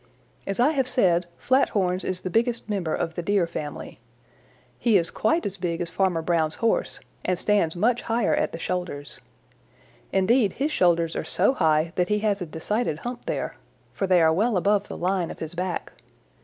As I have said, Flathorns is the biggest member of the Deer family. He is quite as big as Farmer Brown's Horse and stands much higher at the shoulders. Indeed, his shoulders are so high that he has a decided hump there, for they are well above the line of his back.